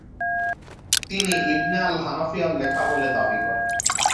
তিনি ইবনে আল হানাফিয়ার লেখা বলে দাবী করেন।